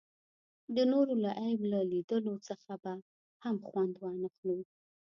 د نورو له عیب له لیدلو څخه به هم خوند وانخلو.